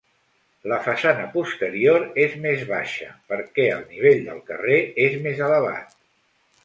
La façana posterior és més baixa perquè el nivell del carrer és més elevat.